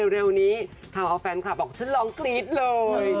เร็วนี้ทำเอาแฟนคลับบอกฉันร้องกรี๊ดเลย